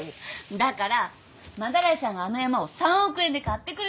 だから斑井さんがあの山を３億円で買ってくれたの。